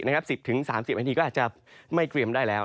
๑๐๓๐นิดหนึ่งก็อาจจะไม่เตรียมได้แล้ว